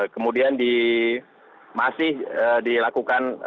kemudian masih dilakukan